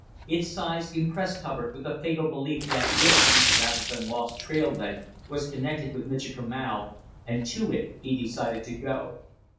Its size impressed Hubbard with the fatal belief that it, rather than Lost Trail Lake, was connected with Michikamau, and to it he decided to go.